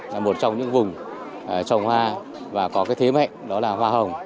là một trong những vùng trồng hoa và có cái thế mạnh đó là hoa hồng